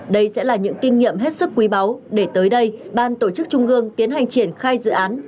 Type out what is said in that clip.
đây sẽ là những kinh nghiệm hết sức quý báu để tới đây ban tổ chức trung ương tiến hành triển khai dự án